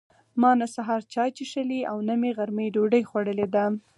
ما نه سهار چای څښلي او نه مې غرمه ډوډۍ خوړلې ده.